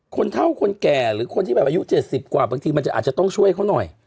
คนเท่าคนแก่หรือคนที่แบบอายุ๗๐กว่าบางทีมันจะอาจจะต้องช่วยเขาหน่อย